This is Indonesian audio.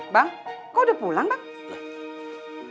bang kau udah pulang bang